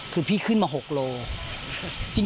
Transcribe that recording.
คือพี่ขึ้นมา๖โลกรัม